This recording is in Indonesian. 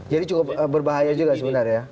jadi cukup berbahaya juga sebenarnya ya